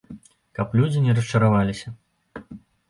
Каб людзі не расчараваліся.